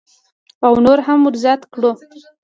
او نور هم ورزیات کړو.